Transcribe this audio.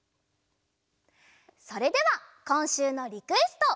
それではこんしゅうのリクエスト！